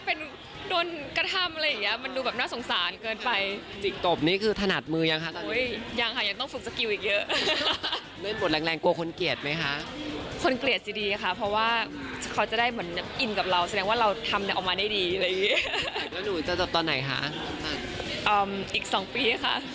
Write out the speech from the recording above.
เพราะก็เหมือนว่าว่าถ้าเป็นโดนกระถ่ำอะไรอย่างเงี้ย